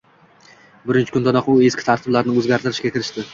— birinchi kundanoq u eski tartiblarni o‘zgartirishga kirishdi.